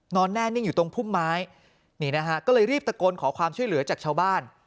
นอนแน่นิ่งอยู่ตรงพุ่มไม้นี่นะฮะก็เลยรีบตะโกนขอความช่วยเหลือจากชาวบ้าน